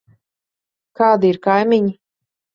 Kādi ir kaimiņi?